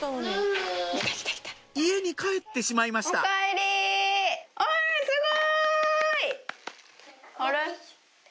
家に帰ってしまいましたあすごい！